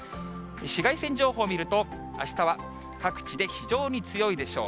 紫外線情報を見ると、あしたは各地で非常に強いでしょう。